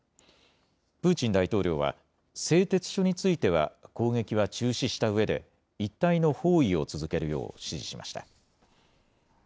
プーチン大統領は製鉄所については攻撃は中止したうえで一帯の包囲を続けるよう指示しました。